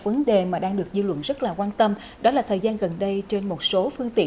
vấn đề mà đang được dư luận rất là quan tâm đó là thời gian gần đây trên một số phương tiện